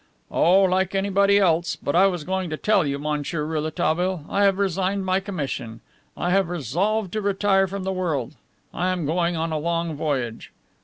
"Oh, like anybody else. But I was going to tell you, Monsieur Rouletabille, I have resigned my commission. I have resolved to retire from the world; I am going on a long voyage."